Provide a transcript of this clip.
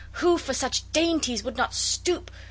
Who for such dainties would not stoop?